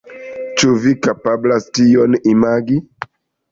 Ĉu vi kapablas tion imagi?